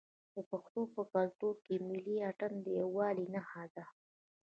د پښتنو په کلتور کې ملي اتن د یووالي نښه ده.